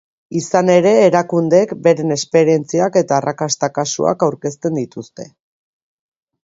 Izan ere, erakundeek beren esperientziak eta arrakasta-kasuak aurkezten dituzte.